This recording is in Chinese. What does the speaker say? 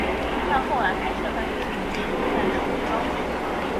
但后来开设办事处一事不但束之高阁。